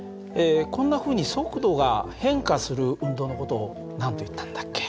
こんなふうに速度が変化する運動の事を何といったんだっけ？